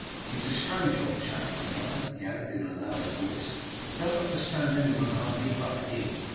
He's a strange old chap, for another,' he added in a louder voice, 'and don't understand any one hardly, but HIM!